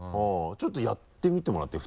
ちょっとやってみてもらっていい？